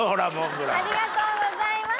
ありがとうございます。